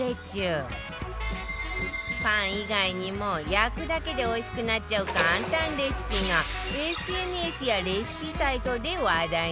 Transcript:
パン以外にも焼くだけでおいしくなっちゃう簡単レシピが ＳＮＳ やレシピサイトで話題なのよ